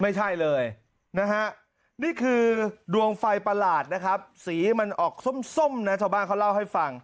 ไม่ใช่เลยนะฮะนี่คือดวงไฟประหลาดนะครับสีมันออกส้มนะชาวบ้านเขาเล่าให้ฟัง